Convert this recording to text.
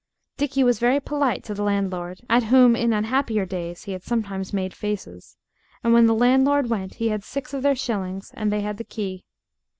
Dickie was very polite to the landlord, at whom in unhappier days he had sometimes made faces, and when the landlord went he had six of their shillings and they had the key.